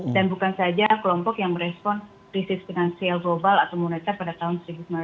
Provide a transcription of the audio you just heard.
dan bukan saja kelompok yang merespon krisis finansial global atau monitor pada tahun seribu sembilan ratus sembilan puluh delapan